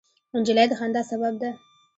نجلۍ د خندا سبب ده.